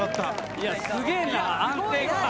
いやすげぇな安定感が。